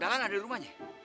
dahlan ada di rumahnya